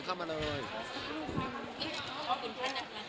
ขอเป็นผ้านักละไข่ลูกค้า